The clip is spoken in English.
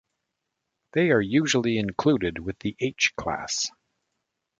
They are usually included with the H class.